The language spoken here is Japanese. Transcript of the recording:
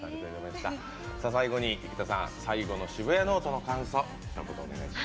最後に生田さん、最後の「シブヤノオト」の感想お願いします。